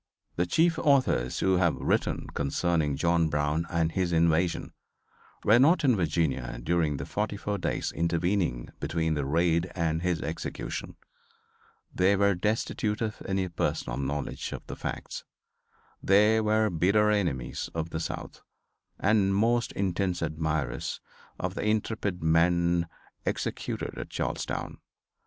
The chief authors who have written concerning John Brown and his invasion were not in Virginia during the forty four days intervening between the raid and his execution. They were destitute of any personal knowledge of the facts. They were bitter enemies of the South and most intense admirers of the intrepid man executed at Charlestown.